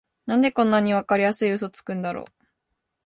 なんでこんなわかりやすいウソつくんだろ